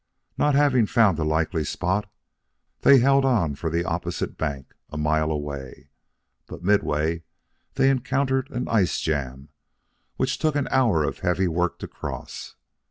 Not having found a likely spot, they held on for the opposite bank a mile away. But midway they encountered an ice jam which took an hour of heavy work to cross.